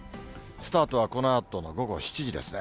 スタートはこのあとの午後７時ですね。